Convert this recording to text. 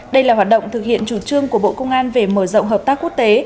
đây là hoạt động thực hiện chủ trương của bộ công an về mở rộng hợp tác quốc tế